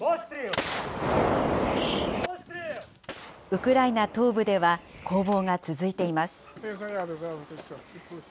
ウクライナ東部では攻防が続いています。